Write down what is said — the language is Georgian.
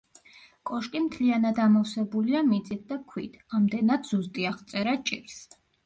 კოშკი მთლიანად ამოვსებულია მიწით და ქვით, ამდენად ზუსტი აღწერა ჭირს.